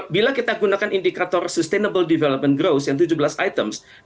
bila kita gunakan indikator sustainable development growth yang tujuh belas items